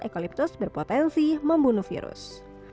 ekaliptus berpotensi membunuh virus